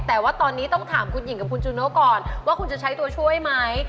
แต่ว่าตอนนี้ต้องถามคุณหญิงกับคุณจูโน่ก่อนว่าคุณจะใช้ตัวช่วยไหม